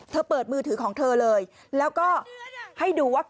เปิดมือถือของเธอเลยแล้วก็ให้ดูว่า